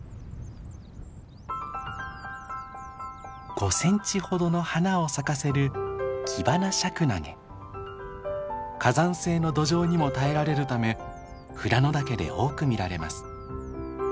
５センチほどの花を咲かせる火山性の土壌にも耐えられるため富良野岳で多く見られます。